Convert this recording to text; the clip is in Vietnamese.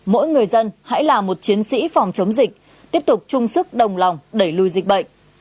mỗi người dân hãy là một chiến sĩ phòng chống dịch tiếp tục chung sức đồng lòng đẩy lùi dịch bệnh